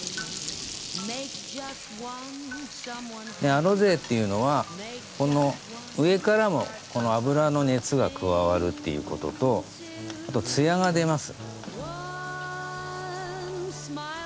アロゼっていうのは上からもこの油の熱が加わるっていうこととあと艶が出ます。